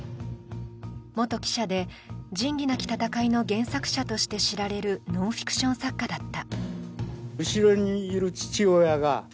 元記者で「仁義なき戦い」の原作者として知られるノンフイクション作家だった。